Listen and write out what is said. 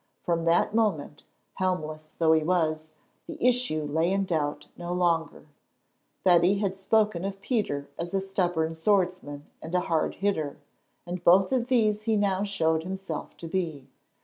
From that moment, helmless though he was, the issue lay in doubt no longer. Betty had spoken of Peter as a stubborn swordsman and a hard hitter, and both of these he now showed himself to be.